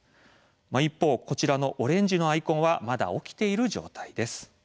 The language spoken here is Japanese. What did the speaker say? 一方、こちらのオレンジのアイコンはまだ起きている状態です。